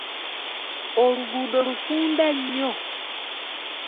Oluguudo lufunda nnyo.